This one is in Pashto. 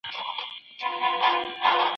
له موادو څخه په منطقي توګه پایلي راوباسه.